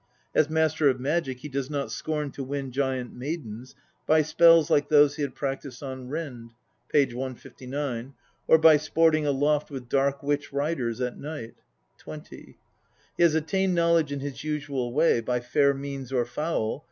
As master of magic he does not scorn to win giant maidens by spells like those he had practised on Rind (p. 159), or by sporting aloft with dark witch riders at night (20). He has attained knowledge in his usual way, by fair means or foul (st.